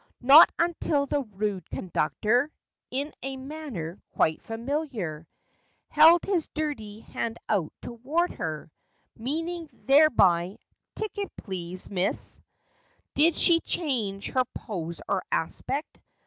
Not until the rude conductor, In a manner quite familiar, Held his dirty hand out toward her, Meaning thereby " ticket, please, miss," Did she change her pose or aspect.